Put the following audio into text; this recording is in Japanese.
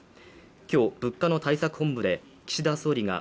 今日、物価の対策本部で岸田総理が